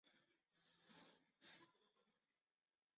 泰特斯维尔为布拉瓦县的行政中心。